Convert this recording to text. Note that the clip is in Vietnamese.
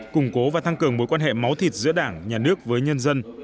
củng cố và thăng cường mối quan hệ máu thịt giữa đảng nhà nước với nhân dân